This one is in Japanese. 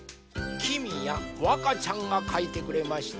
きみやわかちゃんがかいてくれました。